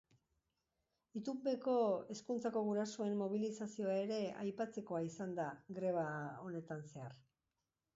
Itunpeko hezkuntzako gurasoen mobilizazioa ere aipatzekoa izan da greba honetan zehar.